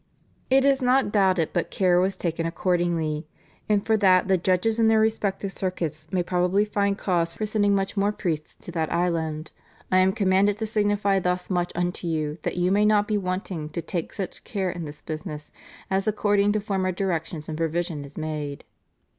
It is not doubted but care was taken accordingly, and for that the judges in their respective circuits may probably find cause for sending much more priests to that island, I am commanded to signify thus much unto you that you may not be wanting to take such care in this business as according to former directions and provision is made."